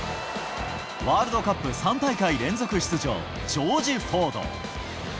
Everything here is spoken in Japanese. ワールドカップ３大会連続出場、ジョージ・フォード。